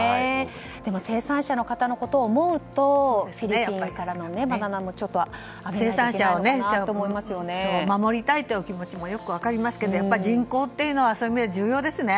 でも生産者の方のことを思うとフィリピンからのバナナを生産者を守りたいというお気持ちもよく分かりますけど人口というのはそういう意味で重要ですね。